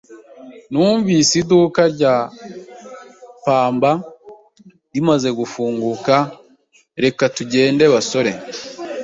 Numvise iduka rya pamba rimaze gufungura. Reka tugende, basore.